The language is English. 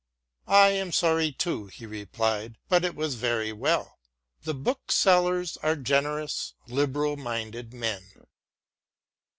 " I am sorry too," he replied. " But it was very well. The booksellers are generous, liberal minded men."